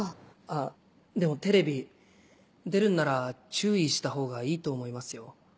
あっでもテレビ出るんなら注意したほうがいいと思いますよ。